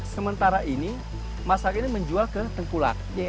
sementara ini masak ini menjual ke tengkulak